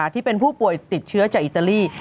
ที่เป็นผู้ป่วยติดเชื้อจากอิตาลี